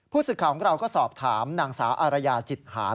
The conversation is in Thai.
ผู้สึกข่าวของเราก็สอบถามนางสาวอารยาจิตหาน